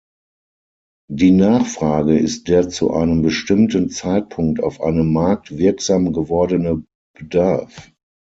Die Nachfrage ist der zu einem bestimmten Zeitpunkt auf einem Markt wirksam gewordene Bedarf.